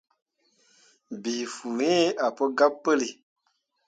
Bii fuu iŋ ah pu gabe puli.